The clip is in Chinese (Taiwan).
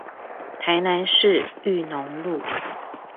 台南市裕農路